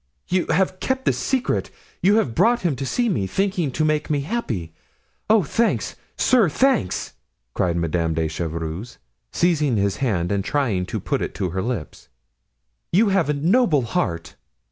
"You have kept the secret! you have brought him to see me, thinking to make me happy. Oh, thanks! sir, thanks!" cried Madame de Chevreuse, seizing his hand and trying to put it to her lips; "you have a noble heart."